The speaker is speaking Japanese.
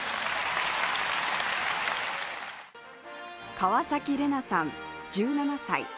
川崎レナさん、１７歳。